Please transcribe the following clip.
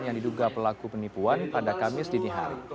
yang diduga pelaku penipuan pada kamis dini hari